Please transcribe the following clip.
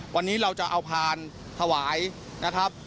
วันนี้เราจะเอาพานถวายนะครับ